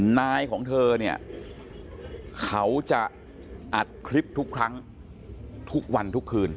นายของเธอเนี่ยเขาจะอัดคลิปทุกครั้งทุกวันทุกคืน